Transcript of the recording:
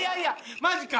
マジか。